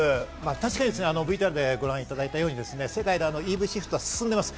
確かにＶＴＲでご覧いただいたように、世界でＥＶシフトは進んでます。